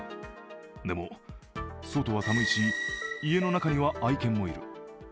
でも、外は寒いし、家の中には愛犬もいる。